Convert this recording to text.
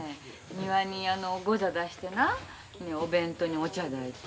庭にゴザ出してなお弁当にお茶出いて。